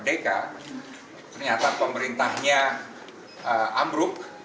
merdeka ternyata pemerintahnya ambruk